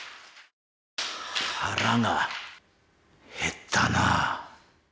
腹が減ったな。